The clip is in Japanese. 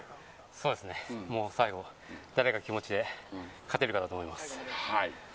そうですね、最後誰が気持ちで勝てるかだと思います。